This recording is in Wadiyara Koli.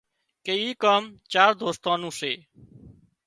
ڪي اي ڪام او ڪام چار دوستان نُون سي